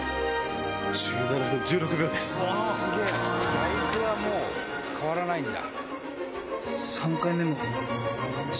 『第九』はもう変わらないんだ。